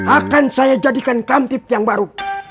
akan saya jadikan kamtip yang baru